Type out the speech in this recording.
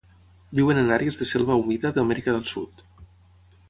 Viuen en àrees de selva humida d'Amèrica del Sud.